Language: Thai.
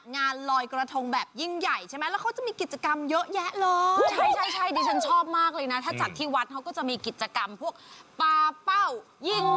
อยากไปไหนประวงที่บ้าน